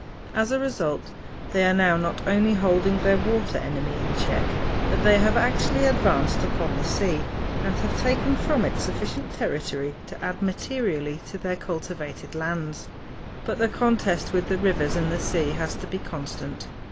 As a result they are now not only holding their water enemy in check, but they have actually advanced upon the sea, and have taken from it sufficient territory to add materially to their cultivated lands. But the contest with the rivers and the sea has to be constant.